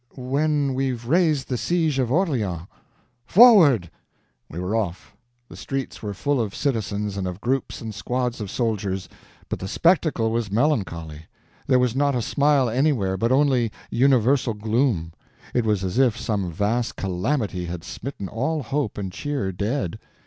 "When we've raised the siege of Orleans. FORWARD!" We were off. The streets were full of citizens and of groups and squads of soldiers, but the spectacle was melancholy. There was not a smile anywhere, but only universal gloom. It was as if some vast calamity had smitten all hope and cheer dead.